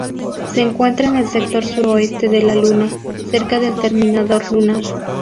Se encuentra en el sector suroeste de la Luna, cerca del terminador lunar.